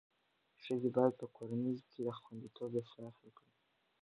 ښځې باید په کورنۍ کې د خوندیتوب احساس وکړي.